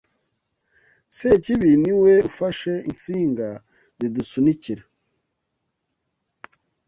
Sekibi niwe ufashe insinga zidusunikira!